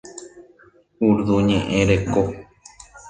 Urdu ñe'ẽ reko.